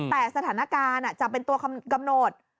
แต่สถานการณ์จะเป็นตัวกำหนด